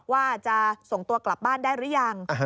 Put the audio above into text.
ว่าจะส่งตัวกลับบ้านได้หรือยัง